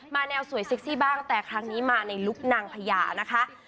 แนวสวยเซ็กซี่บ้างแต่ครั้งนี้มาในลุคนางพญานะคะ